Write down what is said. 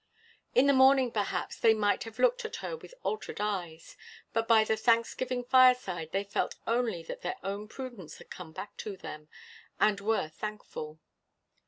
In the morning, perhaps, they might have looked at her with altered eyes, but by the Thanksgiving fireside they felt only that their own Prudence had come back to them, and were thankful.